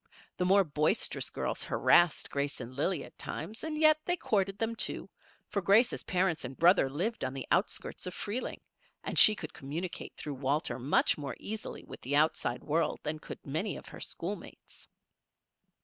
The more boisterous girls harassed Grace and Lillie at times, and yet they courted them, too, for Grace's parents and brother lived on the outskirts of Freeling and she could communicate through Walter much more easily with the outside world than could many of her schoolmates.